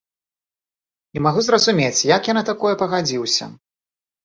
Не магу зразумець, як я на такое пагадзіўся.